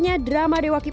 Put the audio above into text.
masa yang terakhir